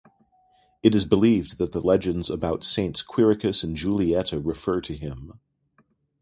It is believed that the legends about Saints Quiricus and Julietta refer to him.